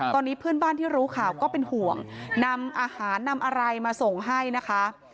ตอนนี้เพื่อนบ้านที่รู้ข่าวก็เป็นห่วงนำอาหารนำอะไรมาส่งให้นะคะ